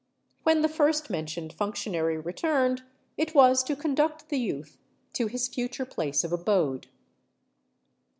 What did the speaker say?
When the first mentioned functionary returned, it was to conduct the youth to his future place of abode.